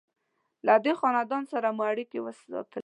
له دې خاندان سره مو اړیکې وساتلې.